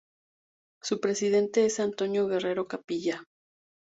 Su presidente es Antonio Guerrero Capilla.